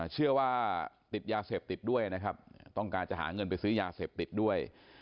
เชื่อว่าติดยาเสพติดด้วยนะครับต้องการจะหาเงินไปซื้อยาเสพติดด้วย